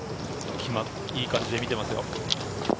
いい感じで見てますよ。